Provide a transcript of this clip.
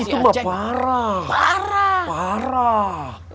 itu mah parah